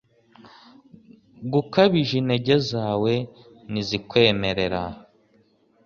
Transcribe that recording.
gukabije Intege zawe ntizikwemerera